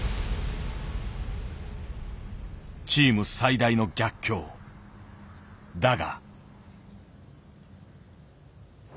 チーム最大の逆境。だが。